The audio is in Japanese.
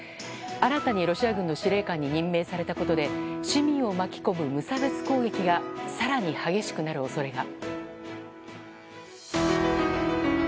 新たにロシア軍の司令官に任命されたことで市民を巻き込む無差別攻撃が更に激しくなる恐れが。